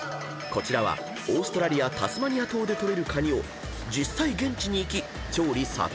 ［こちらはオーストラリアタスマニア島で取れるカニを実際現地に行き調理撮影したそう］